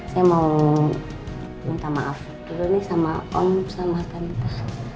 saya mau minta maaf dulu nih sama om sama tante